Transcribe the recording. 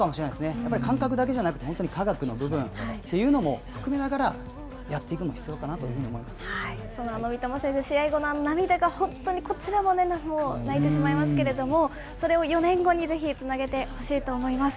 やっぱり感覚だけじゃなくて、本当に科学の部分っていうのも含めながらやっていくのも必要かなとその三笘選手、試合後のあの涙が、本当にこちらももう泣いてしまいますけれども、それを４年後にぜひつなげてほしいと思います。